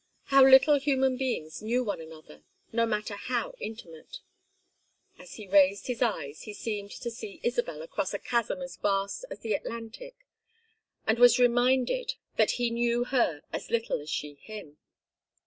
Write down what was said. How little human beings knew one another, no matter how intimate. As he raised his eyes he seemed to see Isabel across a chasm as vast as the Atlantic; and he was reminded that he knew her as little as she him.